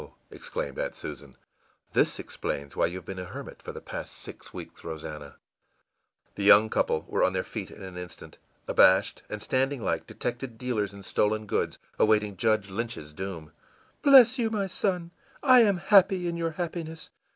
î exclaimed Aunt Susan, ìthis explains why you have been a hermit for the past six weeks, Rosannah!î The young couple were on their feet in an instant, abashed, and standing like detected dealers in stolen goods awaiting judge Lynch's doom. ìBless you, my son! I am happy in your happiness.